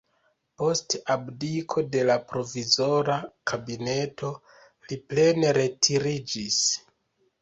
Post abdiko de la provizora kabineto li plene retiriĝis.